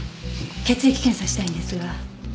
血液検査したいんですが。